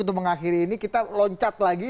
untuk mengakhiri ini kita loncat lagi